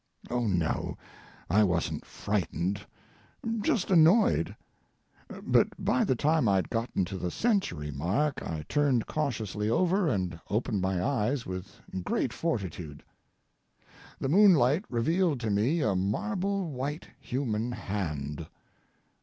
Oh no; I wasn't frightened—just annoyed. But by the time I'd gotten to the century mark I turned cautiously over and opened my eyes with great fortitude. The moonlight revealed to me a marble white human hand.